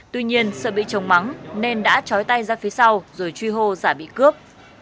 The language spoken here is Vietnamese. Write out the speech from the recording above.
tuy nhiên sợ bị chồng mắng nên đã chói tay ra phía sau rồi truy hô giả bị cướp